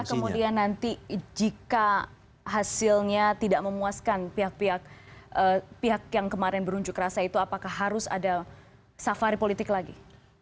apakah kemudian nanti jika hasilnya tidak memuaskan pihak pihak yang kemarin berunjuk rasa itu apakah harus ada safari politik lagi